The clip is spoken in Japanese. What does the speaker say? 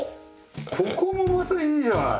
ここもまたいいじゃない！